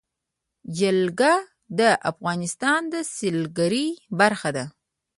جلګه د افغانستان د سیلګرۍ برخه ده.